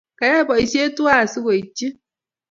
koyai boisie tuwai asikoitchi